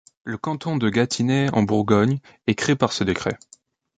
Le canton de Gâtinais en Bourgogne est créé par ce décret.